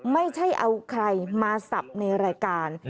ไม่ใช่เอาใครมาสับในรายการ